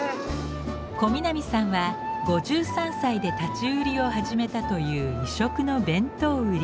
小南さんは５３歳で立ち売りを始めたという異色の弁当売り。